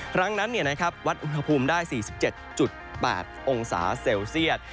ครั้งนั้นเนี่ยนะครับวาดอุณหภูมิได้๔๗๘องศาเซลเซียส